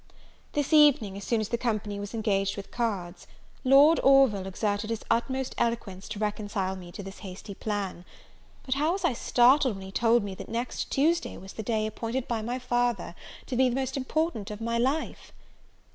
This evening, as soon as the company was engaged with cards, Lord Orville exerted his utmost eloquence to reconcile me to this hasty plan; but how was I startled when he told me that next Tuesday was the day appointed by my father to be the most important of my life!